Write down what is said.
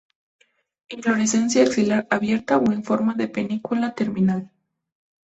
Inflorescencia axilar abierta o en forma de panícula terminal.